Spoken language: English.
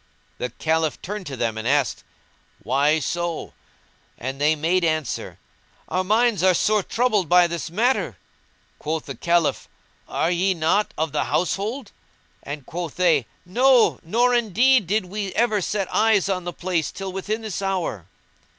The Caliph turned to them and asked, "Why so?" and they made answer, "Our minds are sore troubled by this matter." Quoth the Caliph, "Are ye not of the household?" and quoth they, "No; nor indeed did we ever set eyes on the place till within this hour."